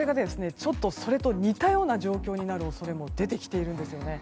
ちょっと似たような状況になる恐れも出てきているんです。